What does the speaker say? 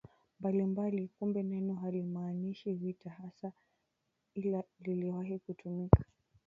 mbalimbali Kumbe neno halimaanishi vita hasa ila liliwahi kutumika